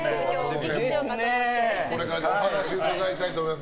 これからお話を伺いたいと思います。